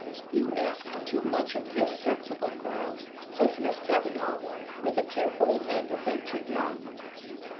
"You ask too much of this sensible girl," says Miss Kavanagh, with a carefully manufactured yawn.